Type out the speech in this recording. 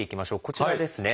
こちらですね。